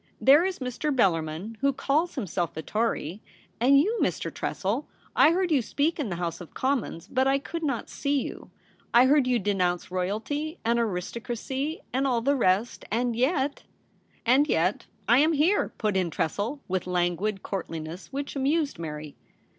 There is Mr. Bellarmin, who calls himself a Tory, and you, Mr. Tressel — I heard you speak in the House of Commons, but I could not see you ; I heard 266 THE REBEL ROSE. you denounce Royalty and Aristocracy and all the rest — and yet ' 'And yet — I am /ie?^e,' put In Tressel, with languid courtliness which amused Mary.